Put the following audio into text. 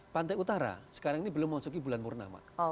pantai utara sekarang ini belum masuk di bulan murnama